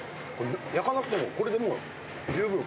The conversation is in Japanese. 焼かなくてもこれでもう十分。